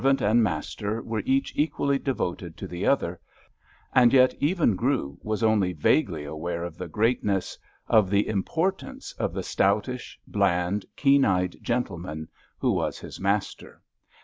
Servant and master were each equally devoted to the other, and yet even Grew was only vaguely aware of the greatness, of the importance of the stoutish, bland, keen eyed gentleman who was his master.